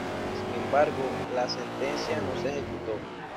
Sin embargo, la sentencia no se ejecutó.